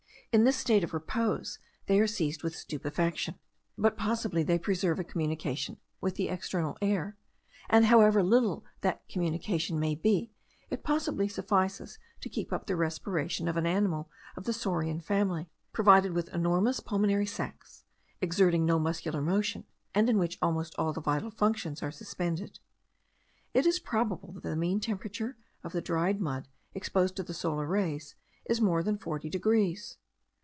In this state of repose they are seized with stupefaction; but possibly they preserve a communication with the external air; and, however little that communication may be, it possibly suffices to keep up the respiration of an animal of the saurian family, provided with enormous pulmonary sacs, exerting no muscular motion, and in which almost all the vital functions are suspended. It is probable that the mean temperature of the dried mud, exposed to the solar rays, is more than 40 degrees.